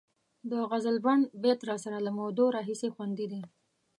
د غزلبڼ بیت راسره له مودو راهیسې خوندي دی.